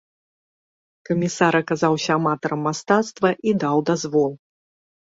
Камісар аказаўся аматарам мастацтва і даў дазвол.